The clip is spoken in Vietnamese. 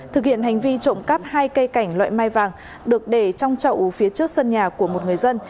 thực hiện hành vi trộm cắp hai cây cảnh loại mai vàng được để trong chậu phía trước sân nhà của một người dân